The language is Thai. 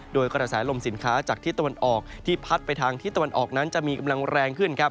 โดยกระแสลมสินค้าจากทิศตะวันออกที่พัดไปทางทิศตะวันออกนั้นจะมีกำลังแรงขึ้นครับ